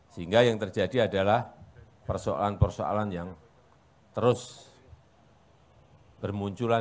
sehingga yang terjadi adalah persoalan persoalan yang terus bermunculan